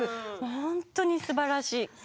本当にすばらしい。